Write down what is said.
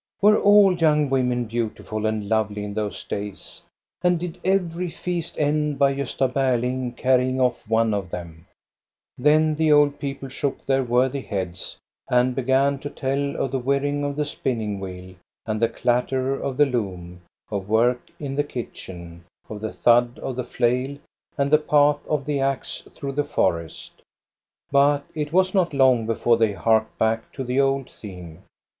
" "Were all young women beautiful and lovely in those days, and did every feast end by Grosta Berling ' carrying off one of them ?" Then the old people shook their worthy heads, and began to tell of the whirring of the spinning wheel and the clatter of the loom, of work in the kitchen, of the thud of the flail and the path of the axe through the forest ; but it was not long before they harked back to the old theme.